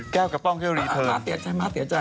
แก้วกับป้องก็จะรีเทินมาเสียใจ